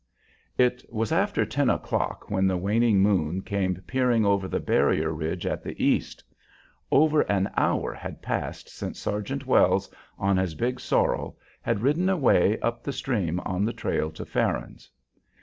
It was after ten o'clock when the waning moon came peering over the barrier ridge at the east. Over an hour had passed since Sergeant Wells, on his big sorrel, had ridden away up the stream on the trail to Farron's.